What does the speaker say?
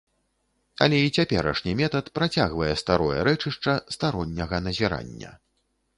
Але і цяперашні метад працягвае старое рэчышча старонняга назірання.